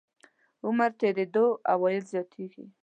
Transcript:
عمر تېرېدو عواید زیاتېږي.